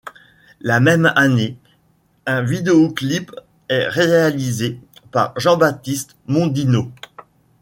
La même année, un vidéo-clip est réalisé par Jean-Baptiste Mondino.